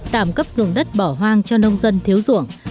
tạm cấp dùng đất bỏ hoang cho nông dân thiếu ruộng